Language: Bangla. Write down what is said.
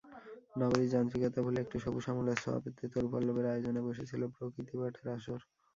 নগরীর যান্ত্রিকতা ভুলে একটু সবুজ-শ্যামলের ছোঁয়া পেতে তরুপল্লবের আয়োজনে বসেছিল প্রকৃতিপাঠের আসর।